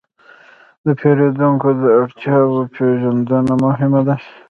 د پیرودونکو د اړتیاوو پېژندنه مهمه ده.